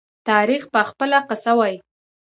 تاریخ به خپله قصه ووايي.